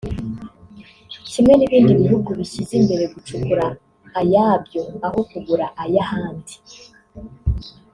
kimwe n’ibindi bihugu bishyize imbere gucukura ayabyo aho kugura ay’ahandi